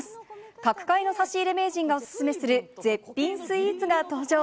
各界の差し入れ名人がお勧めする、絶品スイーツが登場。